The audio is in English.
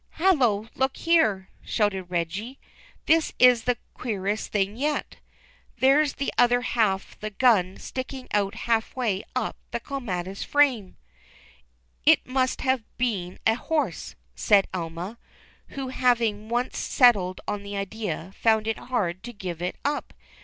"Hallo, look here!" shouted Reggie. "This is the queerest thing yet. There's the other half the gun sticking out half way up the clematis frame I " "It must have been a horse," said Elma, who hav ing once settled on the idea found it hard to give it up.